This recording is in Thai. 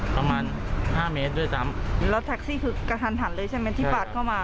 ประมาณห้าเมตรด้วยซ้ำแล้วแท็กซี่คือกระทันหันเลยใช่ไหมที่ปาดเข้ามา